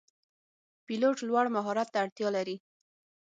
پیلوټ لوړ مهارت ته اړتیا لري.